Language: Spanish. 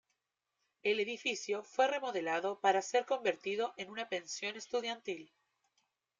El edificio fue remodelado para ser convertido en una pensión estudiantil.